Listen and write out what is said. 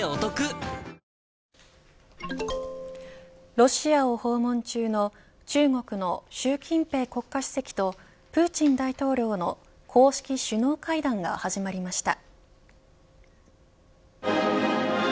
ロシアを訪問中の中国の習近平国家主席とプーチン大統領の公式首脳会談が始まりました。